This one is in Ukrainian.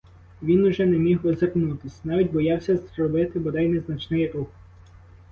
Він уже не міг озирнутись, — навіть боявся зробити бодай незначний рух.